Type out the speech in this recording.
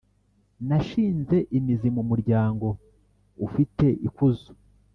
Nashinze imizi mu muryango ufite ikuzo,